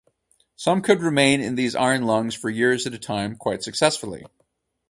Some could remain in these iron lungs for years at a time quite successfully.